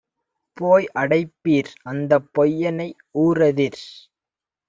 போய்அடைப் பீர்! அந்தப் பொய்யனை ஊரெதிர்